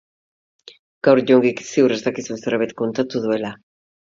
Gaur jongik ziur ez dakizun zerbait kontatu duela.